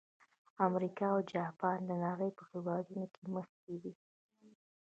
امریکا او جاپان د نړۍ په هېوادونو کې مخکې دي.